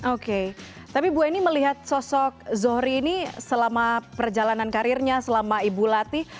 oke tapi bu eni melihat sosok zohri ini selama perjalanan karirnya selama ibu latih